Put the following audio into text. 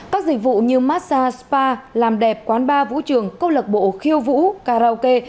các dịch vụ như massage spa làm đẹp quán bar vũ trường công lập bộ khiêu vũ karaoke